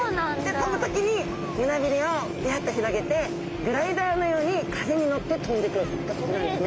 飛ぶ時に胸びれをバッと広げてグライダーのように風に乗って飛んでいくんですね。